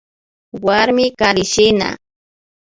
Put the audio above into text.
Warmi karishina